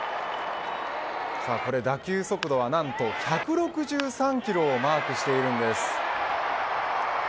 打球速度は何と１６３キロをマークしているんです。